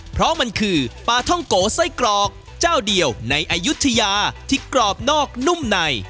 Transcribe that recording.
เพราะมันคือปลาท่องโกไส้กรอกเจ้าเดียวในอายุทยาที่กรอบนอกนุ่มใน